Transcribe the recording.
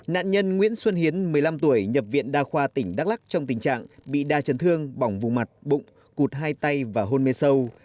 nạn nhân nguyễn xuân hiến một mươi năm tuổi nhập viện đa khoa tỉnh đắk lắc trong tình trạng bị đa chấn thương bỏng vùng mặt bụng cụt hai tay và hôn mê sâu